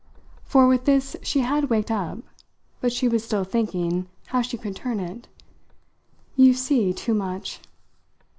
for with this she had waked up. But she was still thinking how she could turn it. "You see too much."